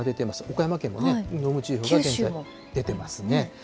岡山県もね、濃霧注意報が出てますね。